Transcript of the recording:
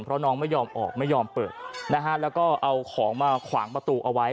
เพราะน้องไม่ยอมออกไม่ยอมเปิดนะฮะแล้วก็เอาของมาขวางประตูเอาไว้